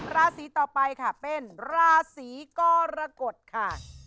ราศีต่อไปค่ะเป็นราศีกรกฎค่ะ